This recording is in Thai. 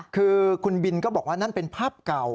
คือคุณบินก็บอกว่านั่นเป็นภาพเก่า